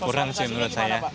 kurang sih menurut saya